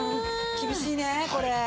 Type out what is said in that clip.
厳しいねこれ。